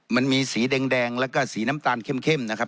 มันมีสีแดงแล้วก็สีน้ำตาลเข้มนะครับ